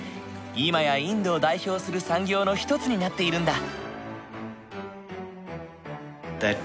今やインドを代表する産業の一つになっているんだ。